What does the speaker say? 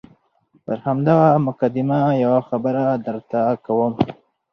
پر همدغه مقدمه یوه خبره درته کوم.